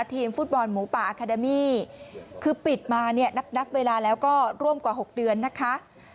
ทีมฟุตบอลหมูป่าอาคาเดมี่คือปิดมาเนี่ยนับนับเวลาแล้วก็ร่วมกว่า๖เดือนนะคะ